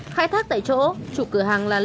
khai thác tại chỗ chủ cửa hàng là đồng xoài